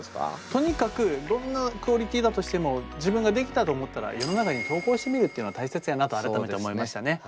とにかくどんなクオリティーだとしても自分が出来たと思ったら世の中に投稿してみるっていうのが大切やなと改めて思いましたね。